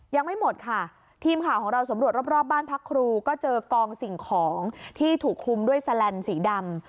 ยังไม่หมดค่ะทีมข่าวของเราสำรวจรอบบ้านพักครูก็เจอกองสิ่งของที่ถูกคุมด้วยแสลนสีดำ